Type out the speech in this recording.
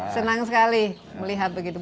senang sekali melihat begitu